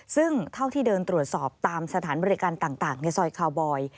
ซึ่งเท่าที่เดินตรวจสอบตามสถานบริการต่างในซอยคาวบอย